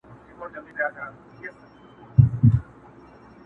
ستا د حسن ترانه وای!!